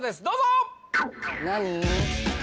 どうぞ何？